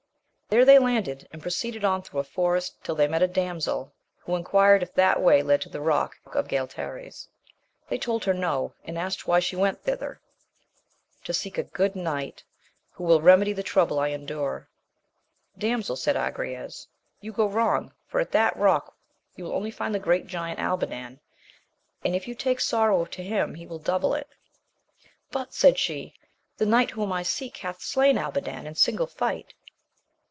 There they landed, and proceeded on through a forest till they met a damsel, who enquired if that way led to the rock of Galtares. They told her no, and asked why she went tlaitliex. To »^^ ^n ^cio^\si\^^^\>^ AMADIS OF GAUL, 103 will remedy the trouble I endure. Damsel, said Agrayes, you go wrong, for air that rock you will only find the great giant Albadan, and if you take sorrow to him he will double it. But, said she, the knight whom I seek hath slain Albadan in single fight.